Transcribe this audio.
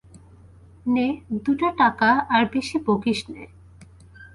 নে দুটো টাকা, আর বেশি বকিস নে।